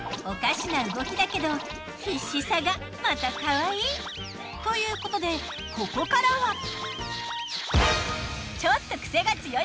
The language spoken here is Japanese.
おかしな動きだけど必死さがまたかわいい。ということでここからは。